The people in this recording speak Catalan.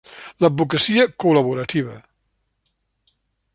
L’advocacia col·laborativa.